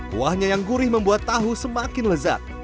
kuahnya yang gurih membuat tahu semakin lezat